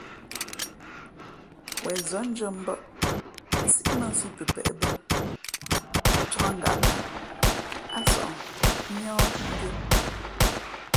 Wen nzᾱndʉ̄ᾱ mbα̌ʼ, nsíʼ mᾱ nsǐ pəpēʼ bᾱ, ncǎk ngaʼkaʼ ǎ sᾱʼ níάh ndʉ̄ᾱ.